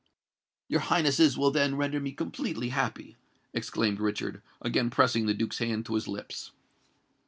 "Your Highnesses will then render me completely happy," exclaimed Richard, again pressing the Duke's hand to his lips.